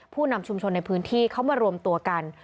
นำชุมชนในพื้นที่เขามารวมตัวกัน